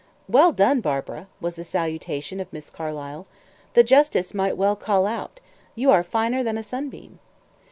"Well done, Barbara!" was the salutation of Miss Carlyle. "The justice might well call out you are finer than a sunbeam!"